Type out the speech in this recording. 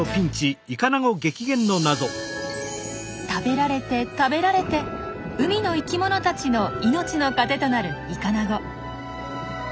食べられて食べられて海の生きものたちの命の糧となるイカナゴ。